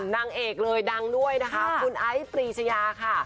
นางเอกเลยดังด้วยนะคะคุณไอซ์ปรีชยาค่ะ